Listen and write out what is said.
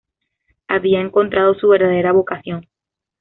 Había encontrado su verdadera vocación.